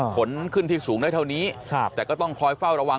ขนขึ้นที่สูงได้เท่านี้แต่ก็ต้องคอยเฝ้าระวัง